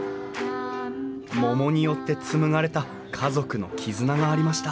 桃によって紡がれた家族の絆がありました。